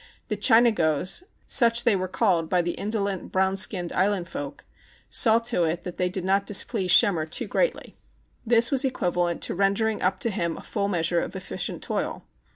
The China gos ã such they were called by the indolent, brown skinned island folk ã saw to it that they did not displease Schemmer too greatly. This was equivalent to rendering up to him a full measure of efficient toil.